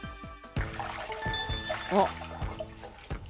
あっ。